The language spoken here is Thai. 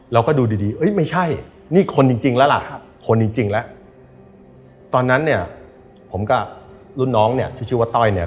เราก็ดูดีเอ้ยไม่ใช่นี่คนจริงแล้วล่ะคนจริงแล้วตอนนั้นเนี่ยผมกับรุ่นน้องเนี่ยที่ชื่อว่าต้อยเนี่ย